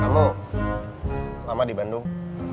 kamu lama di bandung